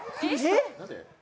えっ？